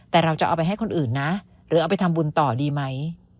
แต่เราจะเอาไปให้คนอื่นนะหรือเอาไปทำบุญต่อดีไหม